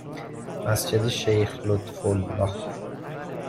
مسجد شیخ لطفالله